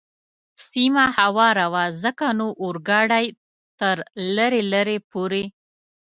سیمه هواره وه، ځکه نو اورګاډی تر لرې لرې پورې.